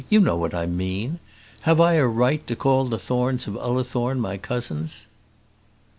You know what I mean. Have I a right to call the Thornes of Ullathorne my cousins?"